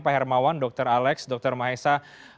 pak hermawan dr alex dr mahesa